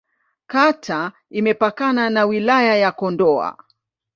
Kata imepakana na Wilaya ya Kondoa.